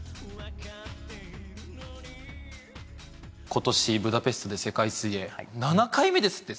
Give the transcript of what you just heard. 今年ブダペストで世界水泳７回目ですって。